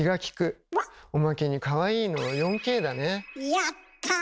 やった。